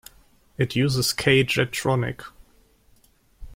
It uses K-Jetronic.